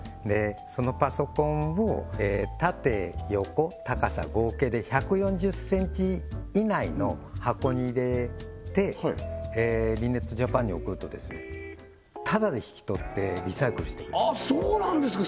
そのパソコンを縦横高さ合計で１４０ｃｍ以内の箱に入れてリネットジャパンに送るとですねタダで引き取ってリサイクルしてくれるそうなんですか